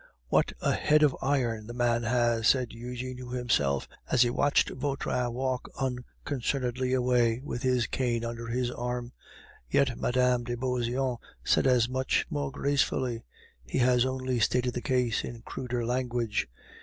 "What a head of iron the man has!" said Eugene to himself, as he watched Vautrin walk unconcernedly away with his cane under his arm. "Yet Mme. de Beauseant said as much more gracefully; he has only stated the case in cruder language.